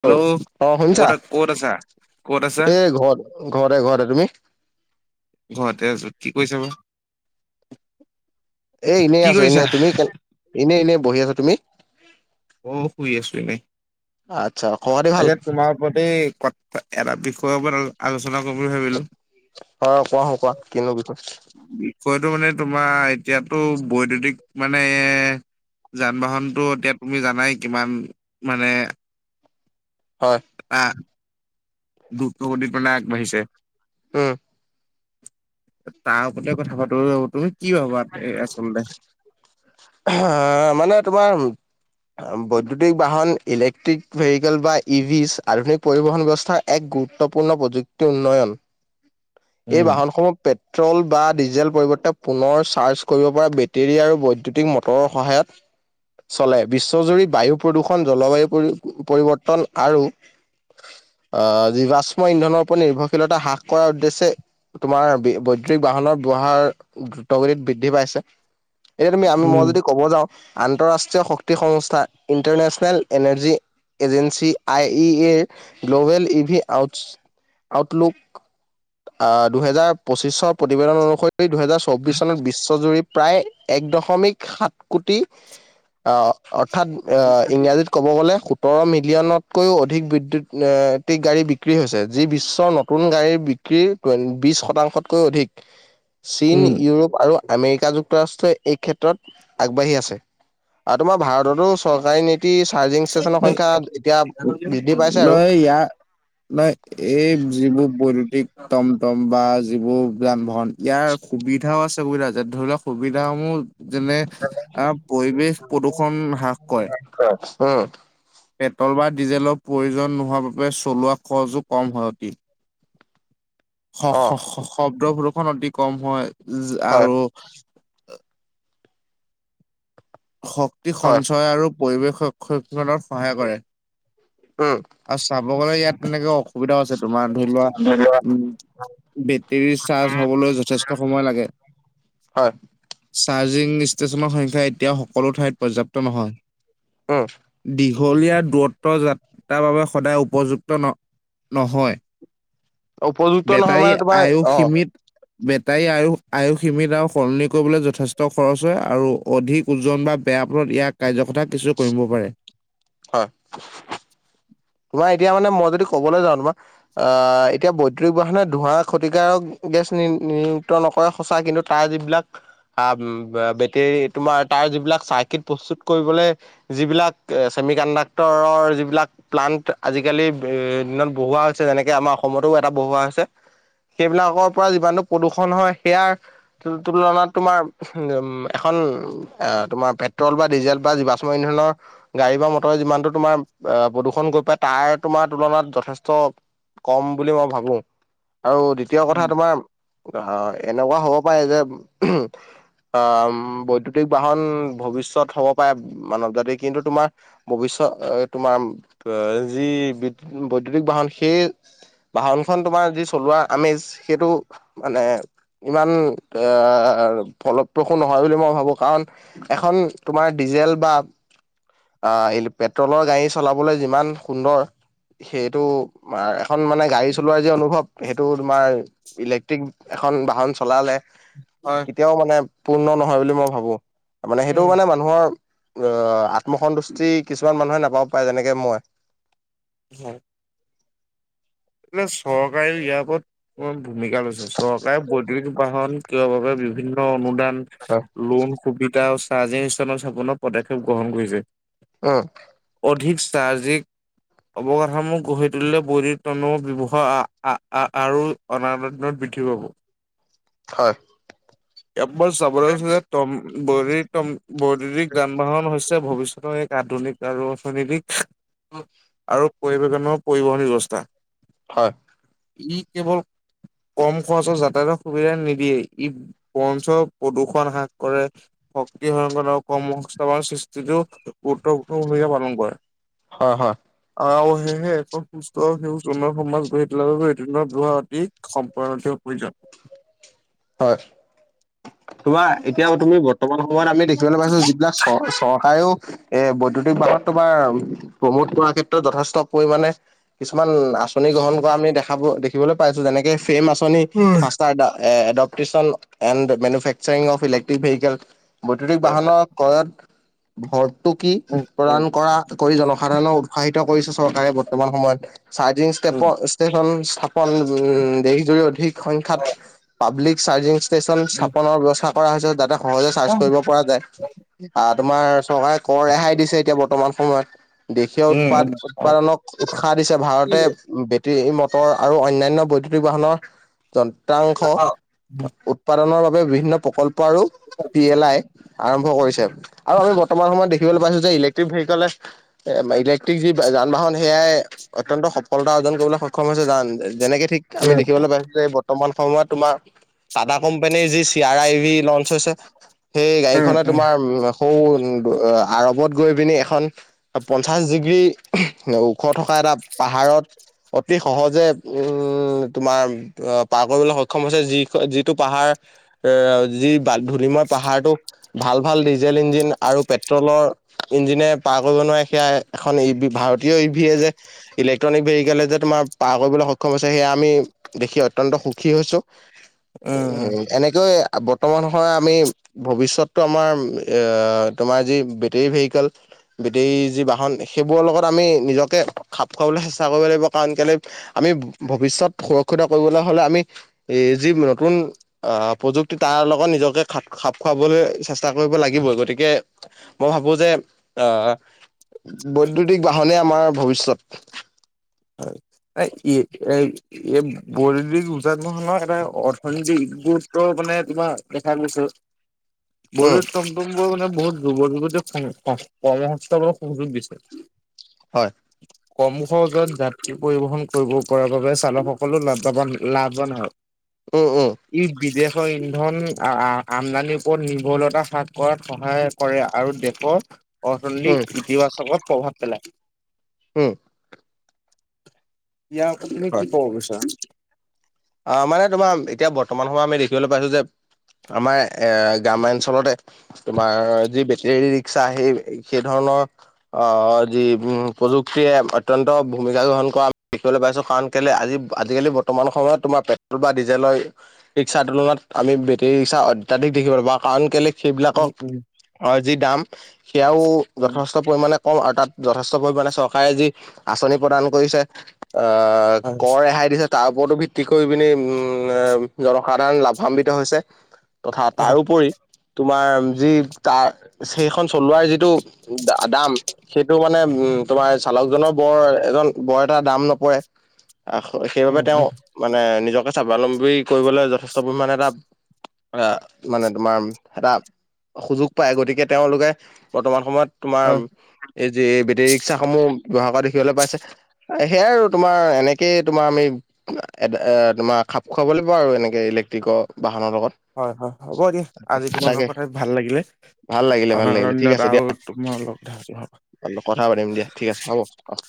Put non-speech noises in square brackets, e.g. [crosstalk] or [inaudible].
Hello অ শুনিছা কত আছা কত আছা? এ ঘৰত ঘৰতে ঘৰতে তুমি ঘৰতে আছো কি কৰিছা বা। এ এনেই কি আছো কৰিছা এনেই তুমি কে এনেই এনেই বহি আছো তুমি। অ', শুই আছো নাই আচ্ছা খবৰ খাতি ভাল তাকা তোমাৰ ওপতে ক ত এটা বিষয়ৰ ওপৰত আলোচনা কৰিম বুলি ভাবিলো। অ', কোৱা চোণ কোৱা কিনো বিষয়। বিষয়টো মানে তোমাৰ এতিয়াতো বৈদয়ুতিক মানে যান বাহনটো এতিয়া তুমি জানাই কিমান মানে হয়। আহ দ্ৰুত গতিত মানে আগবাঢ়িছে। উম। তাৰওপতে কথা পাতো ৰ‌ তুমি কি ভাবা এই আচলতে? হা মানে তোমাৰ। বৈদ্যুতিক বাহন, ইলেক্ট্ৰিক ভেৰিকেল বা ই ভি আধুনিক পৰিবহন ব্যৱস্থা এক গুৰুত্বপূৰ্ণ প্ৰযুক্তি উন্নয়ন। [inaudible] এই উম বাহনসমূহ পেট্ৰল বা ডিজেল পৰিৱৰ্তে পুনৰ চ চাৰ্জ কৰিব পৰা বেটেৰী আৰু বৈদ্যুতিক মটৰৰ সহায়ত চলে। বিশ্বজুৰি বায়ু প্ৰদূষণ জলবায়ু পৰি পৰিৱৰ্তন আৰু আ, জীৱাশ্ম ইন্ধনৰ ওপৰত নিৰ্ভৰশীলতা হাস কৰাৰ উদ্দেশ্যে তোমাৰ বৈদ্যুতিক বাহনৰ ব্যৱহাৰ দ্ৰুত গতিত বৃদ্ধি পাইছে। এতিয়া তুমি আমি মই উম যদি ক'ব যাওঁ আন্তঃৰাষ্ট্ৰীয় শক্তি সংস্থা, international energy agency I E এৰ গ্ল'বেল ইভি আটচ আউটলুক আ, দুহেজাৰ পঁচিশচৰ প্ৰতিবেদন অনুসৰি দুহেজাৰ চৌবিশ চনত বি শ্বজুৰি প্ৰায় এক দশমিক সাত কোটি আহ অৰ্থাৎ অ ইংৰা ক'ব গ'লে সোতৰ মিলিয়নতকৈও অধিক বিদ্যুতিক গাড়ী বিক্ৰী হৈছে যি বিশ্বৰ নতুন তুন গাড়ীৰ বিক্ৰী বিশ শতাংশতকৈ অধিক। [inaudible] চীন, ইউৰোপ আৰু আমেৰিকা যুক্তৰাষ্ট্ৰই এই ক্ষেত্ৰত আগবাঢ়ি আছে, আও তোমাৰ ভাৰততো চৰকাৰী নি তী চাৰ্জিং ষ্টেচনৰ সংখ্যা এতিয়া বৃদ্ধি পাইছে ন আৰু ইয়াৰ নাই এই যিবোৰ বৈদ্যুতিক টমটম বা যিবোৰ যান বাহন। ইয়াৰ সুবিধাও আছে অসুবিধা, ধৰি লোৱা সুবিধা সমূহ যেনে আঁ, পৰিৱেশ প্ৰদূৰষণ হ্ৰাস কয়ে। হয়, উম। পেট্ৰল বা ডিজেলৰ প্ৰয়োজন নোহোৱাৰ বাবে চলোৱা খৰচো কম হয় অতি। শ শ‌ অ' শ শব্দ প্ৰদূষন অতি কম হয় হয়, আৰু শক্তি হয়, সঞ্চয় আৰু পৰিৱেশ ৰক্ষণত সহায় কৰে। উম। আও চাব গ'লে ইয়াত তেনেকে অসুবিধাও আছে। তোমাৰ ধৰি লোৱা উম বেটৰী চাৰ্জ হবলৈ যথেষ্ট সময় লাগে। হয়। চাৰ্জিং ষ্টেচনৰ সংখ্যা এতিয়াও সকলো ঠাইত পৰ্যাপ্ত নহয়। উম। দীঘলীয়া দূৰত্ব যাত্ৰাৰ বাবে সদায় উপযুক্ত ন নহয়। উপযুক্ত নহয় বেটাৰী মানে তোমাৰ আয়ু অ' সীমিত বেটাৰী আয়ু আয়ুস সীমিত আও সলনি কৰিবলৈ যথেষ্ট খৰচ হয় আৰু অধিক ওজন বা বেয়া পথত ইয়াৰ কাৰ্যকতা কিছু কম পাৰে। হয়। তোমাৰ এতিয়া মানে মই যদি কবলৈ যাওঁ তোমাক আ, এতিয়া বৈদ্যুতিক বাহনে ধোঁৱা ক্ষতিকাৰক গেছ নি নিয়ুক্ত নকৰে সঁচা কিন্তু তাৰ যিবিলাক আহ বেটৰী তোমাৰ তাৰ যিবিলাক চাৰকিত প্ৰস্তুত কৰিবলে- যিবিলাক চেমি কণ্ডাক্টৰৰ যিবিলাক- প্লান্ত আজিকালি ভে দিনত বহোৱা হৈছে যেনেকে আমাৰ অসমতো এটা বহোৱা হৈছে- সেইবিলাকৰ পৰা যিমানটো প্ৰদূষণ হয় সেইয়াৰ- তুল তুলনাত তোমাৰ উহুম এখন তোমাৰ পেট্ৰল বা ডিজেল বা যিবাচ- ম ইন্ধনৰ- গাড়ী বা মটৰে যিমানটো তোমাৰ আহ প্ৰদূষণ গৈ পাই তাৰ তোমাৰ তুলনাত যথেষ্ট- কম বুলি মই ভাবো আৰু দ্বিতীয় কথা তোমাৰ- অ এনেকুৱা হ'ব পাৰে যে- অঁ বৈদ্যুতিক বাহন ভৱিষ্যত হ'ব পাৰে মানৱ জাতিৰ কিন্তু তোমাৰ- ভৱিষ্যত তোমাৰ আহ যি বি বৈদ্যুতিক বাহন সেই- বাহনখন তোমাৰ যি চলোৱা আমেজ সেইটো মানে- ইমান এ ফলপ্ৰসূ নহয় বুলি মই ভাবো কাৰণ, এখন তোমাৰ ডিজেল বা- আহ এই পেট্ৰলৰ গাড়ী চলাবলৈ যিমান সুন্দৰ সেইটো- এখন মানে গাড়ী চলোৱাৰ যে অনুভৱ সেইটো তোমাৰ- ইলেক্ট্ৰিক এখন বাহন চলালে- হয় এতিয়াও মানে পূৰ্ণ নহয় বুলি মই ভাবো মানে সেইটোও উম মানে মানুহৰ আহ আত্ম- সন্তুষ্টি কিছুমান মানুহে নাপাব পাৰে যেনেকে মই। হয়, এয়া চৰকাৰে ইয়াৰ ওপৰত অকমান ভূমিকা লৈছে চৰকাৰে বৈদ্যুতিক বাহন- ক বাবে বিভিন্ন অনুদান লোন সুবিধা- চাৰ্জিং ইষ্টান স্থাপনৰ পদক্ষেপ গ্ৰহণ কৰিছে। অঁ' অধিক চাৰজিক অৱগতসমূহ গঢ়ি তুলিলে বৈধিক- তনো ব্যৱহাৰ আ আ আৰু অনাৰত্ন বৃদ্ধি পাব। হয়, এয়াতব চাবলৈ গৈছিল যে তম বৰিৰিক যান বাহন- ভৱিষ্যতৰ এক আধুনিক আৰু অৰ্থনৈতিক- আৰু পৰিবতনৰ পৰিবহন ব্যৱস্থা। হয়, ই কেৱল- কম খৰচত যাতায়তৰ সুবিধা নিদিয়েই ই বঞ্চ প্ৰদূষন হ্ৰাস কৰে। শক্তি সয়ংক কৰ্ম সংস্থাপনৰ সৃষ্টিটো গুৰুত্বপূৰ্ণ ভূমিকা পালন কৰে। হয় হয়, হে হে একক পুষ্ট সেউজ- যনৰ সমাজ গঢ়ি তোলাৰ বাবে এইটোদিনত যোৱা অতি সম্পৰকীয় প্ৰয়োজন। হয়, তোমা এতিয়া তুমি বৰ্তমান সময়ত আমি দেখিবলৈ পাইছো যিবিলাক চৰ চৰকাৰেও- এ বৈদ্যুতিক বাহন তোমাৰ প্ৰমোদ কৰাৰ ক্ষেত্ৰত যথেষ্ট পৰিমাণে- কিছুমান আচনি গ্ৰহণ কৰা আমি দেখাব দেখিবলৈ পাইছো যেনেকে ফেম আছে- um. Faster the adoption and manufacturing of electric vehicle- বৈদ্য়ুতিক হয় হয় বাহনৰ ক্ৰয়ত- ভটটো কি উম প্ৰদান উম কৰা কৰি জনসাধাৰণক উৎসাহিত কৰিছে চৰকাৰে বৰ্তমান সময়ত। চাৰ্জিং উম ষ্টেচন স্থাপন উ দেশজুৰি অধিক সংখ্যাত অ পাব্লিক- চাৰ্জিং ষ্টেচন উম স্থাপনৰ ব্যৱস্থা কৰা হৈছে যাতে সহজে চাৰ্জ কৰিব পৰা যায় আহ তোমাৰ চৰকাৰে কৰ ৰেহাই দিছে এতিয়া বৰ্তমান সময়ত দেশীয় উৎপাদ উম হয়। উৎপাদনক উৎসাহ দিছে উম ভাৰতে তে মটৰ আৰু অন্যান্য বৈদ্যুতিক বাহনৰ যন্ত্ৰাংশ উম উৎপাদনৰ বাবে বিভিন্ন প্ৰকল্প আৰু পি এল আই আৰম্ভ কৰিছে আৰু আমি বৰ্তমান সময়ত দেখিবলৈ পাইছো যে ইলেক্ট্ৰিক ভেহিকলে এ ইলেক্ট্ৰিক যি যান বাহন সেয়াই অত্যন্ত সফলতা অৰ্জন কৰিবলৈ সক্ষম হৈছে জান যেনেকে ঠিক আমি দেখিবলৈ পাইছো যে এই বৰ্তমান সময়ত তোমাৰ টাটা কোম্পানীৰ যি C R I V launch হৈছে সেই গাড়ীখনে উম তোমাৰ সৌ আৰবত গৈ পিনি এখন পঞ্চাছ ডিগ্ৰী ওখ থকা এটা পাহাৰত অতি সহজে উম তোমাৰ পাৰ কৰিবলৈ সক্ষম হৈছে যি যিটো পাহাৰ এ যি ধূলিময় পাহাৰতো ভাল ভাল ডিজেল ইঞ্জিন আৰু পেট্ৰলৰ ইঞ্জিনে পাৰ কৰিব নোৱাৰে সেয়া এখন ই ভি ভাৰতীয় ই ভিয়ে যে ইলেক্ট্ৰনিক ভেহিকলে যে তোমাৰ পাৰ কৰিবলৈ সক্ষম হৈছে সেয়া আমি দেখি অত্যন্ত সুখী হৈছো উম এনেকৈ বৰ্তমান সময় আমি ভৱিষ্যতটো আমাৰ এ তোমাৰ যি বেটেৰী ভেহিকেল বেটেৰী যি বাহন সেইবোৰৰ লগত আমি নিজকে খাপ খুৱাবলৈ চেষ্টা কৰিব লাগিব কাৰণ কেলে আমি ভৱিষ্যত সুৰক্ষিত কৰিবলৈ হলে আমি এ যি নতুন আহ প্ৰযুক্তি তাৰ লগত নিজকে খা খাপ খুৱাবলৈ চেষ্টা কৰিব লাগিবই গতিকে মই ভাবো যে আহ বৈদ্যুতিক বাহনে আমাৰ ভৱিষ্যত এই কি এই এই বৈদিক উজান বাহনৰ এটা অৰ্থনৈতিক গুৰুত্ব মানে তোমাৰ দেখা গৈছে উম, বৈদ্যুতিক বাহন মানে বহুত যুৱ যুৱতীয়ে কম কৰ্মসংস্থাপনৰ সুযোগ দিছে হয় কম খৰছত যাত্ৰী পৰিবহন কৰিব কৰাৰ বাবে চালকসকলো লাভবাবন লাভৱান হয় উম উম ই বিদেশৰ ইন্ধন আ আ আমদানিৰ ওপৰত নিৰ্ভৰশীলতা হ্ৰাস কৰাত সহায় কৰে আৰু দেশৰ উম, অৰ্থনৈতিক ইতিবাচকত প্ৰভাৱ পেলায় উম' ইয়াৰ ওপৰত তুমি হয়। কি কব বিচাৰা অ' মানে তোমাৰ এতিয়া বৰ্তমান সময়ত আমি দেখিবলৈ পাইছো যে আমাৰ এ গ্ৰাম্যাঞ্চলতে তোমাৰ যি বেটেৰী ৰিক্সা সেই সেই ধৰণৰ অ যি প্ৰযুক্তিয়ে অত্যন্ত ভূমিকা গ্ৰহণ কৰা দেখিবলৈ পাইছো কাৰণ- কেলে আজি আজি কালি বৰ্তমান সময়ত তোমাৰ পেট্ৰল বা ডিজেলৰ ৰিক্সা তুলনাত আমি বেটৰী ৰিক্সা অত্যাধিক দেখিবলৈ পাও কাৰণ কেলে সেইবিলাকক উম, উম, যি দাম সেয়াও উম, যথে ষ্ট পৰিমাণে কম আৰু তাত যথেষ্ট পৰিমাণে চৰকাৰে যি আঁচনি প্ৰদান কৰিছে অ' হয়, কৰ ৰেহাই দিছে তাৰ ওপৰতো ভি ত্তি কৰি পিনি উম' জনসাধাৰণ লাভান্বিত হৈছে তথা অ', তাৰোপৰি তোমাৰ যি তাৰ সেইখন চলোৱাৰ যিটো দাম। সেইটো মানে উম' তোমাৰ চালকজনৰ বৰ এজন বৰ এটা দাম নপৰে। সেইবাবে উম, তেওঁ উম, মানে নিজকে স্বাৱলম্বী কৰিবলৈ যথেষ্ট পৰিমণে এটা, এ, মানে তোমাৰ এটা- সুযোগ পায়। গতিকে তেওঁলোকে বৰ্তমান সময়ত হয়, তোমাৰ- এই যে বেটেৰী ৰিক্সাস সমূহ ব্যৱহাৰ কৰা দেখিবলৈ পাইছে। সেয়াই আৰু তোমাৰ এনেকেই তোমাৰ আমি। এ, তোমাৰ খাপ খুৱাব লাগিব আৰু এনেকৈ ইলেক্ট্ৰিকৰ বাহনৰ লগত। হয় হয়। হ'ব দিয়া আজি তাকে তোমালোকৰ কথা ভাল লাগিলে। ভাল লাগিলে ভাল লাগিলে অনাগতৰ ঠিক আছে দিনত দিয়া আৰু তোমাৰ লগ ধৰি, হব। কথা পাতিম দিয়া ঠিক আছে হ'ব। অ'